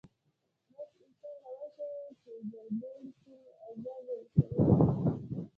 _داسې انسان راوښيه چې کربوړي کوم ازار ور رسولی وي؟